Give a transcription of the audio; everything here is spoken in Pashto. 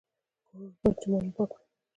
کوښښ وکړئ چي مال مو پاک وي.